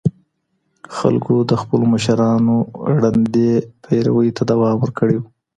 خلګو د خپلو مشرانو ړندې پيروي ته دوام ورکړی و.